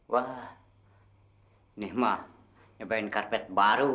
wah nih mah nyobain karpet baru ya